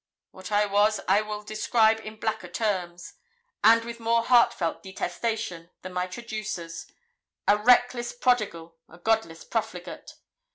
What I was I will describe in blacker terms, and with more heartfelt detestation, than my traducers a reckless prodigal, a godless profligate.